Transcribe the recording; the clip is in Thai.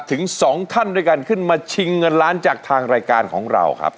ถึงสองท่านด้วยกันขึ้นมาชิงเงินล้านจากทางรายการของเราครับ